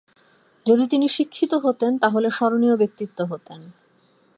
যদি তিনি শিক্ষিত হতেন, তাহলে স্মরণীয় ব্যক্তিত্ব হতেন।